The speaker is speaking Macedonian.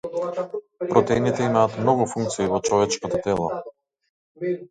Протеините имаат многу функции во човечкото тело.